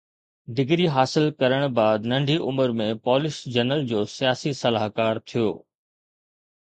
degree حاصل ڪرڻ بعد ننڍي عمر ۾ پولش جنرل جو سياسي صلاحڪار ٿيو